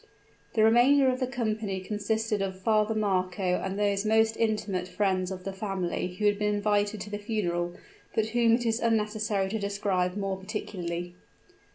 The remainder of the company consisted of Father Marco and those most intimate friends of the family who had been invited to the funeral; but whom it is unnecessary to describe more particularly.